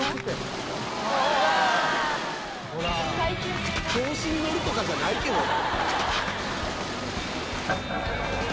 が調子に乗るとかじゃないけどな。